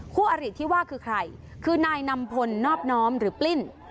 อริที่ว่าคือใครคือนายนำพลนอบน้อมหรือปลิ้น